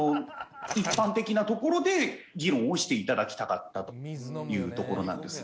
一般的なところで議論をして頂きたかったというところなんです。